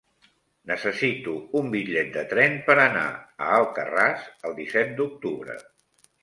Necessito un bitllet de tren per anar a Alcarràs el disset d'octubre.